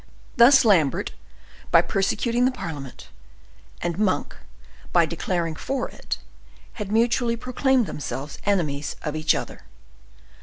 Thus Lambert by persecuting the parliament, and Monk by declaring for it, had mutually proclaimed themselves enemies of each other.